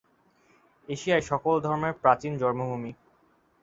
এশিয়াই সকল ধর্মের প্রাচীন জন্মভূমি।